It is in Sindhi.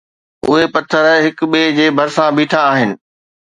اهي پٿر هڪ ٻئي جي ڀرسان بيٺا آهن